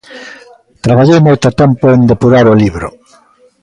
Traballei moito tempo en depurar o libro.